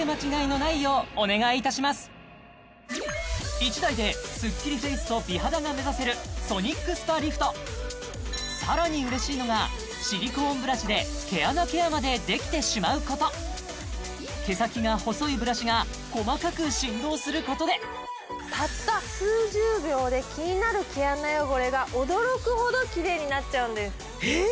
１台でスッキリフェイスと美肌が目指せるソニックスパリフトさらに嬉しいのがシリコーンブラシで毛穴ケアまでできてしまうこと毛先が細いブラシが細かく振動することでたった数十秒で気になる毛穴汚れが驚くほどキレイになっちゃうんですえっ！？